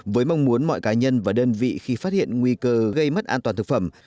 với mong muốn mọi cá nhân và đơn vị khi phát hiện nguy cơ gây mất an toàn thực phẩm